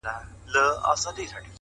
پرمختګ له دوامداره هڅې زېږي؛